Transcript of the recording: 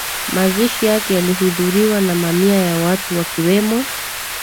Mazishi yake yalihudhuliwa na mamia ya watu wakiwemo